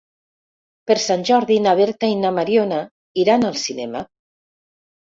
Per Sant Jordi na Berta i na Mariona iran al cinema.